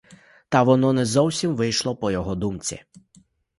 Та воно не зовсім вийшло по його думці.